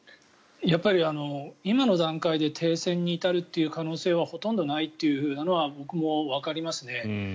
やっぱり今の段階で停戦に至る可能性はほとんどないというのは僕もわかりますね。